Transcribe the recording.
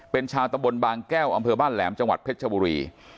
เป็นชาวตะบนบางแก้วอำเภอบ้านแหลมจังหวัดเพชรชบุรี